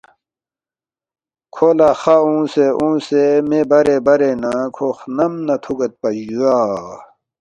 کھو لہ خا اونگسے اونگسے مے برے برے نہ کھو خنم نہ تُھوگیدپا جُویا